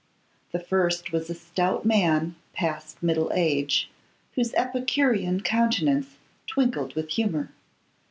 The first was a stout man, past middle age, whose epicurean countenance twinkled with humour.